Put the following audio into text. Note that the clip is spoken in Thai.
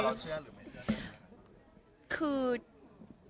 บางทีเค้าแค่อยากดึงเค้าต้องการอะไรจับเราไหล่ลูกหรือยังไง